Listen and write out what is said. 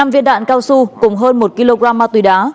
năm viên đạn cao su cùng hơn một kg ma túy đá